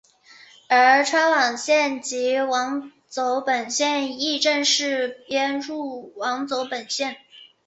而钏网线及网走本线亦正式编入网走本线。